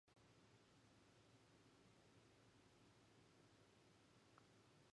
ウッタラーカンド州の夏季における州都はゲールセーンである